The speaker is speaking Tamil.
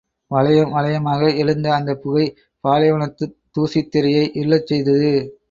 வளையம் வளையமாக எழுந்த அந்தப் புகை, பாலைவனத்துத் தூசித் திரையை இருளச் செய்தது.